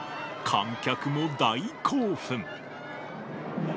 観客も大興奮。